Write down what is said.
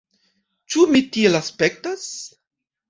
Ĉu mi tiel aspektas?